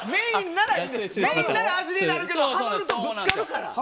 メインなら味になるけどハモるとぶつかるから。